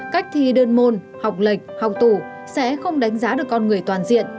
cách thi đơn môn học lệch học tủ sẽ không đánh giá được con người toàn diện